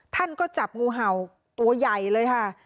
ท่านก็จับงูเห่าตัวใหญ่เลยค่ะ